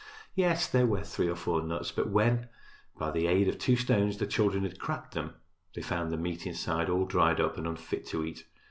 Yes, there were three or four nuts, but when, by the aid of two stones, the children had cracked them, they found the meat inside all dried up and unfit to eat.